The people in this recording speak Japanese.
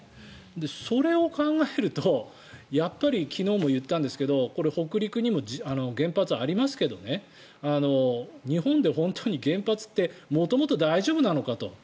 それを考えるとやっぱり昨日も言ったんですけどこれ、北陸にも原発がありますけどね日本で本当に原発って元々大丈夫なのかと。